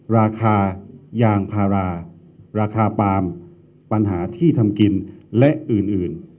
ราคายางพาราราคาปาล์มปัญหาที่ทำกินและอื่น